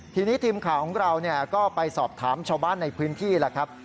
ทีนี้ทีมข่าวของเราก็ไปสอบถามชาวบ้านในพื้นที่แล้วครับ